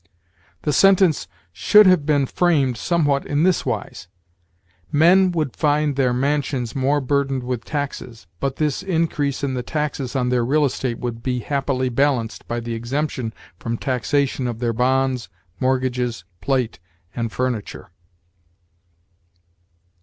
The sentence should have been framed somewhat in this wise: "Men ... would find their ... mansions ... more burdened with taxes, but this increase in the taxes on their real estate would be happily balanced by the exemption from taxation of their bonds, mortgages, plate, and furniture."